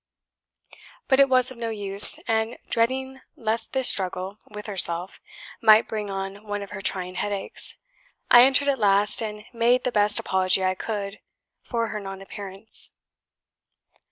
But it was of no use; and dreading lest this struggle with herself might bring on one of her trying headaches, I entered at last and made the best apology I could for her non appearance.